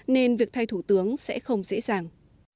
nên việc thay thủ tướng sẽ không dễ dàng